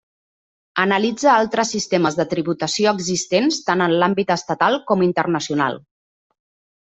Analitza altres sistemes de tributació existents tant en l'àmbit estatal com internacional.